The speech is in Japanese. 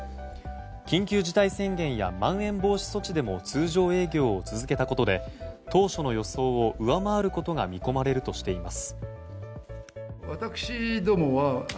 緊急事態宣言やまん延防止措置でも通常営業を続けたことで当初の予想を上回ることが見込まれるとしています。